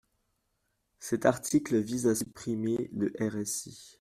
Cet article vise à supprimer le RSI.